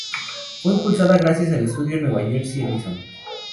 Fue impulsada gracias al estudio Nueva Jersey Edison.